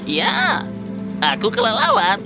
ya aku kelelawar